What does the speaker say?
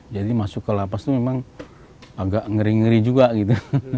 jadi masuk ke lapas itu memang agak ngeri ngeri juga gitu